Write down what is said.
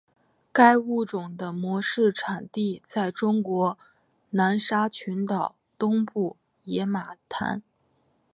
该物种的模式产地在中国南沙群岛东部野马滩。